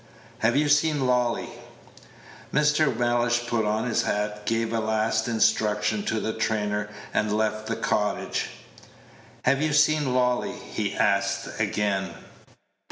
Have you seen Lolly?" Mr. Mellish put on his hat, gave a last instruction to the trainer, and left the cottage. "Have you seen Lolly?" he asked again.